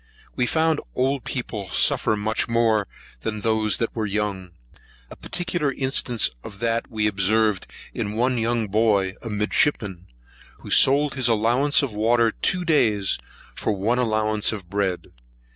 We found old people suffer much more than those that were young. A particular instance of that we observed in one young boy, a midshipman, who sold his allowance of water two days for one allowance of bread.